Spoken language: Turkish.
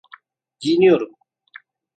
Giyiniyorum.